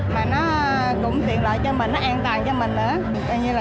mà nó cũng tiện lợi cho mình nó an toàn cho mình nữa